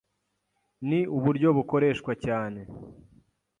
Ni uburyo bukoreshwa cyane